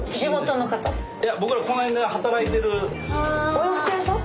お洋服屋さん？